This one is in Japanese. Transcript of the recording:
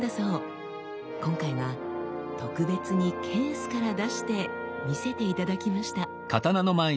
今回は特別にケースから出して見せて頂きました。